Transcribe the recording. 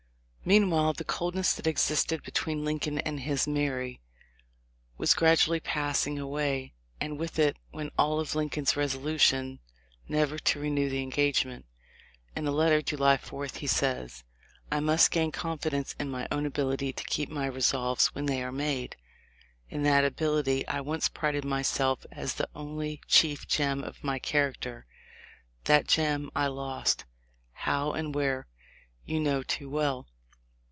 Meanwhile the coldness that existed between Lincoln and his "Mary" was gradually passing away, and with it went all of Lincoln's resolution never to renew the engagement. In a letter, July 4, he says; "I must gain confidence in my own ability to keep my resolves when they are made. In that ability I once prided myself as the only chief gem of my character; that gem I lost, how and where 224 THE LIFE 0F LINCOLN. you know too well.